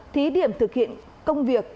thí điểm thực hiện công việc